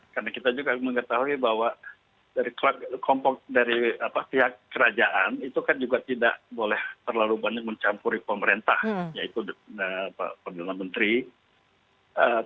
karena kita juga mengetahui bahwa dari pihak kerajaan itu kan juga tidak boleh terlalu banyak mencampuri pemerintah yaitu penduduk menteri